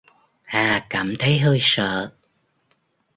Hà cảm thấy hơi sợ